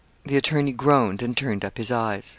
The attorney groaned, and turned up his eyes.